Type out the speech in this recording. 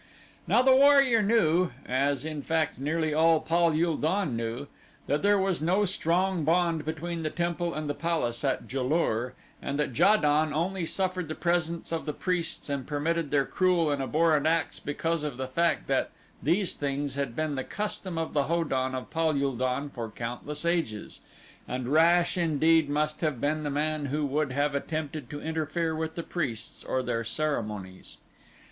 Now the warrior knew, as in fact nearly all Pal ul don knew, that there was no strong bond between the temple and the palace at Ja lur and that Ja don only suffered the presence of the priests and permitted their cruel and abhorrent acts because of the fact that these things had been the custom of the Ho don of Pal ul don for countless ages, and rash indeed must have been the man who would have attempted to interfere with the priests or their ceremonies.